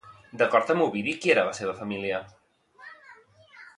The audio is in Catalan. D'acord amb Ovidi, qui era la seva família?